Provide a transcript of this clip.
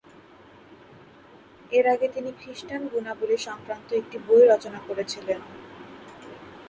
এর আগে তিনি খ্রিষ্টান গুণাবলি সংক্রান্ত একটি বই রচনা করেছিলেন।